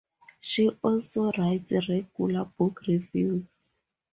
She also writes regular book reviews.